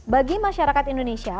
bagi masyarakat indonesia